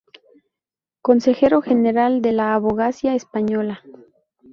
Consejero general de la Abogacía Española.